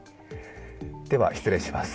では失礼します。